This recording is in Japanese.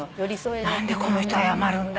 何でこの人謝るんだろう？